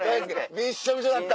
びっしょびしょなった！